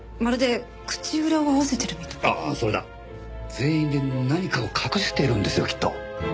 全員で何かを隠してるんですよきっと。